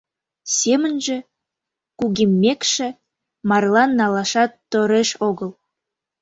Семынже, кугеммекше, марлан налашат тореш огыл.